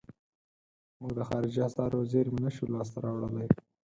موږ د خارجي اسعارو زیرمې نشو لاس ته راوړلای.